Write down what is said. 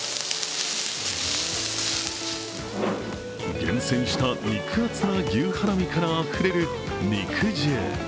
厳選した肉厚な牛ハラミからあふれる肉汁。